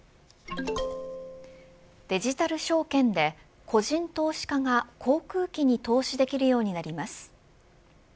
デジタル証券で個人投資家が航空機に投資できるようになります。